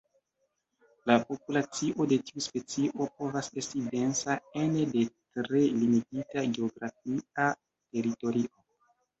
La populacio de tiu specio povas esti densa ene de tre limigita geografia teritorio.